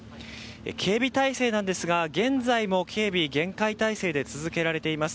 警備態勢ですが現在も警備は厳戒態勢で続けられています。